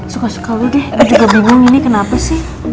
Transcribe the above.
suka suka lu deh juga bingung ini kenapa sih